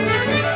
ya udah mbak